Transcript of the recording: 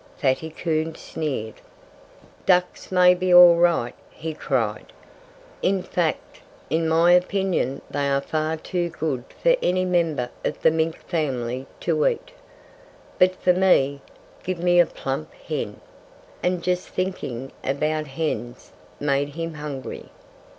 Fatty Coon sneered. "Ducks may be all right," he cried. "In fact, in my opinion they are far too good for any member of the Mink family to eat. But for me give me a plump hen!" And just thinking about hens made him hungry.